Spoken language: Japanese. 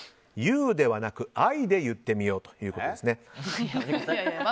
ＹｏｕではなくＩで言ってみようということです。